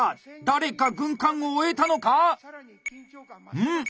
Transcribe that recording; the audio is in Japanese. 誰か軍艦を終えたのか⁉うん？